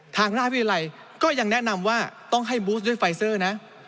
ทางราชวิทยาลัยก็ยังแนะนำว่าต้องให้บูสด้วยไฟเซอร์นะ